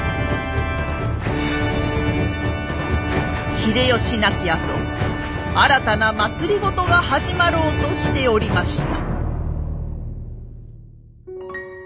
秀吉亡きあと新たな政が始まろうとしておりました。